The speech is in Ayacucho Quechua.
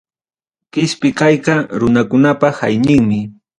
Qispi kayqa runakunapa hayñinmi.